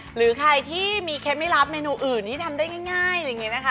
หรือใครที่มีเคล็ดไม่รับเมนูอื่นที่ทำได้ง่ายอะไรอย่างนี้นะคะ